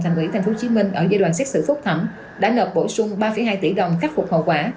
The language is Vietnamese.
thành ủy tp hcm ở giai đoạn xét xử phúc thẩm đã nợp bổ sung ba hai tỷ đồng khắc phục hậu quả